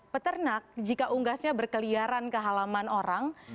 peternak jika unggasnya berkeliaran ke halaman orang